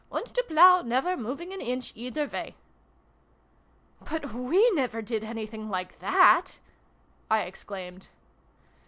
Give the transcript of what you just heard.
And the plough never moving an inch, either way !"" But we never did anything like that!" I exclaimed.